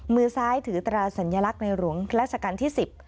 มือซ้ายถือศัลย์สัญลักษณ์ในหลวงพระราชกรรมที่๑๐